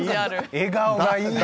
笑顔がいいなあ！